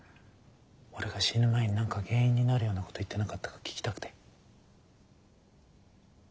俺が死ぬ前に何か原因になるようなこと言ってなかったか聞きたくて。